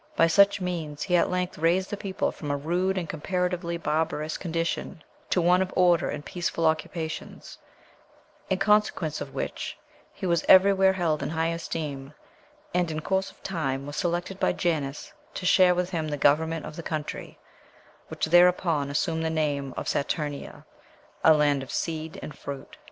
By such means he at length raised the people from a rude and comparatively barbarous condition to one of order and peaceful occupations, in consequence of which he was everywhere held in high esteem, and, in course of time, was selected by Janus to share with him the government of the country, which thereupon assumed the name of Saturnia 'a land of seed and fruit.'